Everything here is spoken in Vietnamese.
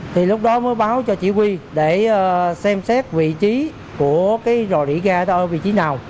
thì lúc đó mới báo cho chỉ huy để xem xét vị trí của cái rò rỉ ga đó ở vị trí nào